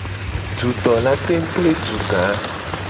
Dudo la tengu gble duga.